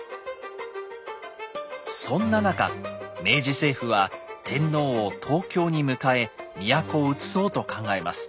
そんな中明治政府は天皇を東京に迎え都をうつそうと考えます。